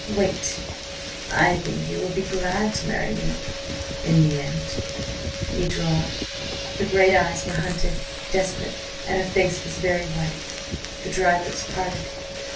"Wait. I think you will be glad to marry me–in the end," he drawled. Her great eyes were hunted, desperate, and her face was very white. The dry lips parted.